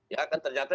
ya kan ternyata